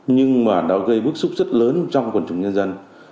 nhưng mà nó gây bức xúc rất lớn trong quần chủng nhân dân